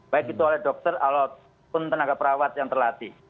baik itu oleh dokter alat pun tenaga perawat yang terlatih